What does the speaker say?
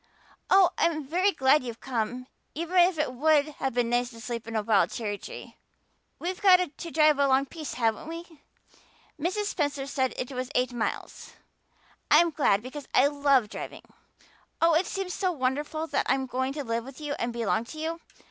Oh, I'm very glad you've come, even if it would have been nice to sleep in a wild cherry tree. We've got to drive a long piece, haven't we? Mrs. Spencer said it was eight miles. I'm glad because I love driving. Oh, it seems so wonderful that I'm going to live with you and belong to you.